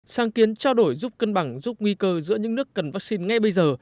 sáng kiến trao đổi giúp cân bằng giúp nguy cơ giữa những nước cần vaccine ngay bây giờ